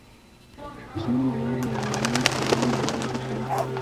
شتمنيو ماليې کلنۍ ماليه وضعه کړي.